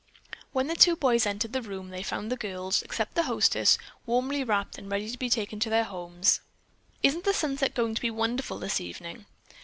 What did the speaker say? When the two boys entered the room they found the girls, except the hostess, warmly wrapped and ready to be taken to their homes. "Isn't the sunset going to be wonderful this evening?"